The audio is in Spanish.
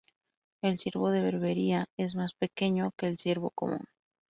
El ciervo de Berbería es más pequeño que el ciervo común.